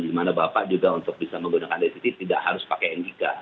di mana bapak juga untuk bisa menggunakan dct tidak harus pakai nik